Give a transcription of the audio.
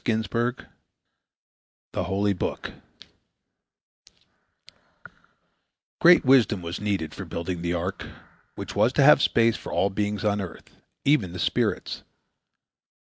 THE HOLY BOOK Great wisdom was needed for building the ark, which was to have space for all beings on earth, even the spirits.